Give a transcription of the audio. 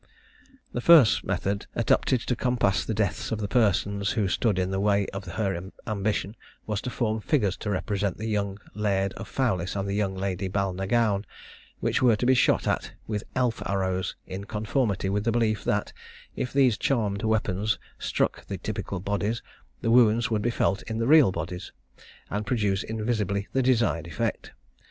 The first method adopted to compass the deaths of the persons who stood in the way of her ambition, was to form figures to represent the young Laird of Fowlis and the young Lady Balnagown, which were to be shot at with elf arrows, in conformity with the belief, that, if these charmed weapons struck the typical bodies, the wounds would be felt in the real bodies, and produce invisibly the desired effect.